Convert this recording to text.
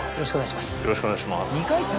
よろしくお願いします。